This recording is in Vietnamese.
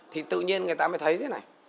thì tự nhiên người ta mới thấy thế này